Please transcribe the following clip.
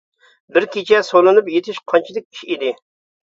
بىر كېچە سولىنىپ يېتىش قانچىلىك ئىش ئىدى.